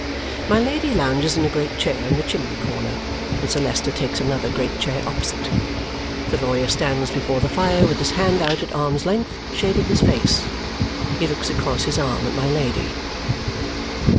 My Lady lounges in a great chair in the chimney corner, and Sir Leicester takes another great chair opposite. The lawyer stands before the fire with his hand out at arm's length, shading his face. He looks across his arm at my Lady.